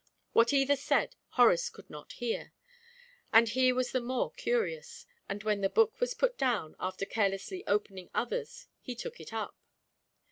What either said Horace could not hear, and he was the more curious, and when the book was put down, after carelessly opening others he took it up.